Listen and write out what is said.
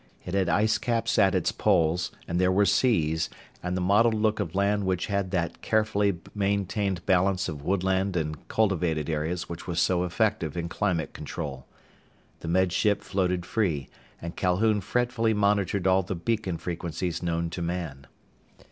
It had icecaps at its poles, and there were seas, and the mottled look of land which had that carefully maintained balance of woodland and cultivated areas which was so effective in climate control. The Med Ship floated free, and Calhoun fretfully monitored all the beacon frequencies known to man.